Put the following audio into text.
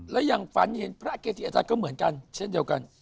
และยังฝันเห็นพระเกจิอาจารย์ก็เหมือนกันเช่นเดียวกัน